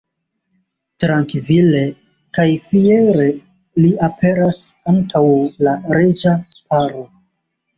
Trankvile kaj fiere li aperas antaŭ la reĝa paro.